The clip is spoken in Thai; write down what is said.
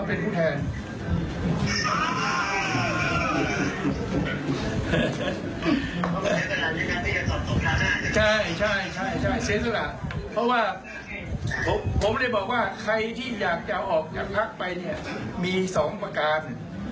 ใช่เสียสละเพราะว่าผมเลยบอกว่าใครที่อยากจะออกจากพักไปเนี่ยมี๒ประการ